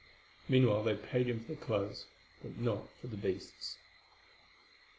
Meanwhile, they paid him for the clothes, but not for the beasts.